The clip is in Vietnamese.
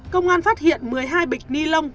công an phát hiện một mươi hai bịch ni lông